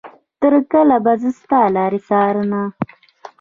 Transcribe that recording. تر کله به زه ستا لارې څارنه.